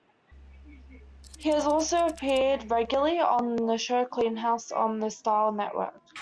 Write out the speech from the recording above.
He has also appeared regularly on the show "Clean House" on the Style Network.